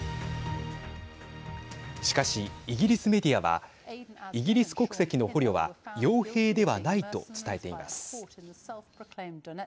しかし、イギリスメディアはイギリス国籍の捕虜はよう兵ではないと伝えています。